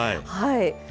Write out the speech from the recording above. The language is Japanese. はい。